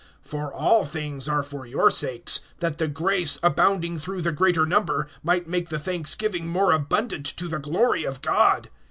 (15)For all things are for your sakes; that the grace, abounding through the greater number, might make the thanksgiving more abundant, to the glory of God.